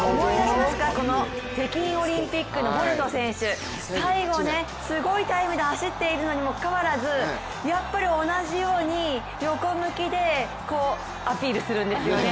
この北京オリンピックのボルト選手、最後すごいタイムで走っているのにもかかわらずやっぱり同じように横向きでアピールするんですよね。